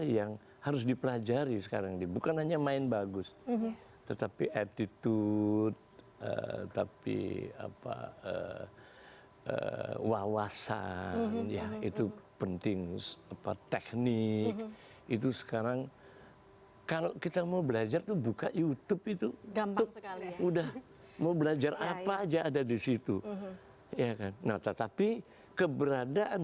ya kan nah tetapi keberadaan pendidikan